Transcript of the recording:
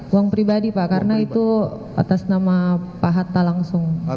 uang pribadi pak karena itu atas nama pak hatta langsung